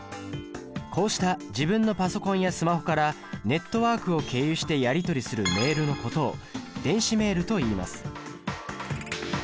こうした自分のパソコンやスマホからネットワークを経由してやり取りするメールのことを電子メールといいます。